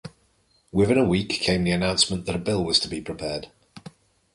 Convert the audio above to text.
Within a week came the announcement that a bill was to be prepared.